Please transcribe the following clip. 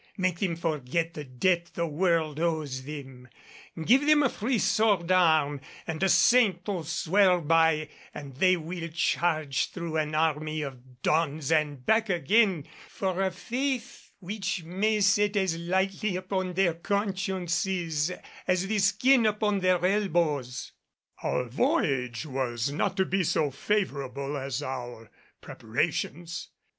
Make them forget the debt the world owes them, give them a free swordarm and a Saint to swear by and they will charge through an army of Dons and back again for a faith which may set as lightly upon their consciences as the skin upon their elbows." Our voyage was not to be so favorable as our preparations.